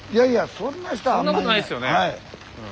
そんなことないっすよね。